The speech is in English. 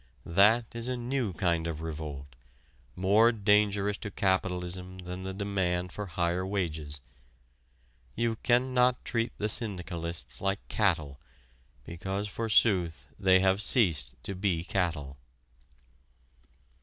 That is a new kind of revolt more dangerous to capitalism than the demand for higher wages. You can not treat the syndicalists like cattle because forsooth they have ceased to be cattle.